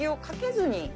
かけずに？